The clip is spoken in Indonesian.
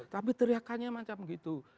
tapi teriakannya macam gitu